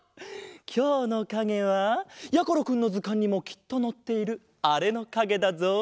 きょうのかげはやころくんのずかんにもきっとのっているあれのかげだぞ。